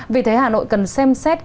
vì thế hà nội cần xem xét